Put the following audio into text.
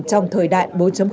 trong thời đại bốn